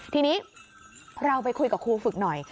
ทีนี้เราไปคุยกับครูฝึกหน่อย